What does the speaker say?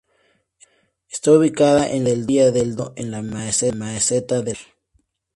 Está ubicada en la orilla del Danubio en la meseta de la Baar.